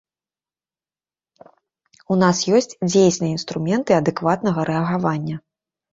У нас ёсць дзейсныя інструменты адэкватнага рэагавання.